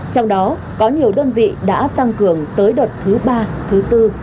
trong đó có nhiều đơn vị đã tăng cường tới đợt thứ ba thứ bốn